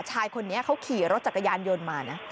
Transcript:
ชายคนนี้เขาขี่รถจักรยานยนต์มานะ